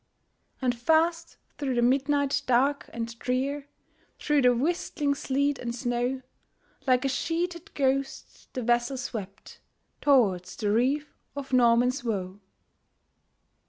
And fast through the midnight dark and drear, Through the whistling sleet and snow, Like a sheeted ghost, the vessel swept Towards the reef of Norman's Woe.